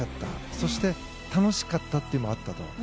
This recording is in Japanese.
そして楽しかったっていうのもあったと。